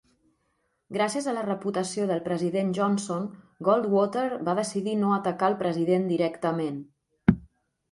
Gràcies a la reputació del president Johnson, Goldwater va decidir no atacar el president directament.